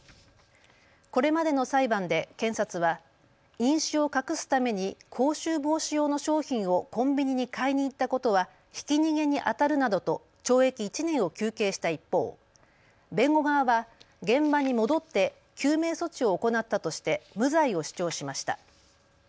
これまでの裁判で検察は飲酒を隠すために口臭防止用の商品をコンビニに買いに行ったことはひき逃げにあたるなどと懲役１年を求刑した一方、弁護側は現場に戻って救命措置を行ったとして無罪を主張しました。